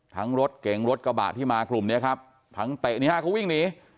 รถเก๋งรถกระบะที่มากลุ่มนี้ครับทั้งเตะนี่ฮะเขาวิ่งหนี